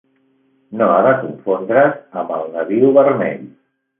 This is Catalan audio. No ha de confondre's amb el nabiu vermell.